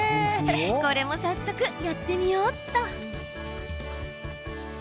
これも早速やってみようっと。